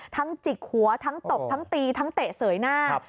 จิกหัวทั้งตบทั้งตีทั้งเตะเสยหน้า